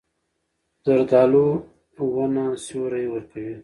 زردالو ونه سیوری ورکوي.